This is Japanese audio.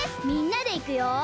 みんなでいくよ！